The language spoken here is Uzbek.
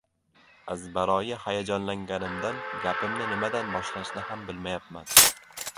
Azbaroyi hayajonlanganimdan gapimni nimadan boshlashni ham bilmayapman.